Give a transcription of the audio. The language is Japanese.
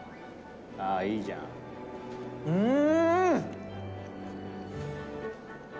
ああいいじゃんうん！